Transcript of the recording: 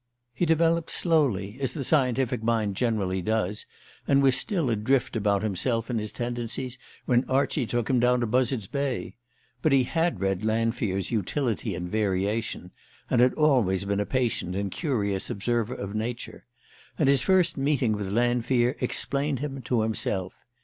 He developed slowly, as the scientific mind generally does, and was still adrift about himself and his tendencies when Archie took him down to Buzzard's Bay. But he had read Lanfear's "Utility and Variation," and had always been a patient and curious observer of nature. And his first meeting with Lanfear explained him to himself.